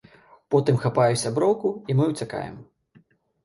Потым хапаю сяброўку, і мы ўцякаем.